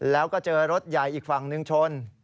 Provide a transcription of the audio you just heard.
แล้วก็เจอรถใหญ่อีกฝั่งหนึ่งชน